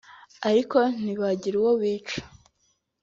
ariko ntibagira uwo bica